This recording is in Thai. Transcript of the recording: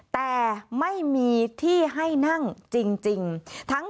แต่ไม่มีที่ให้นั่งจริง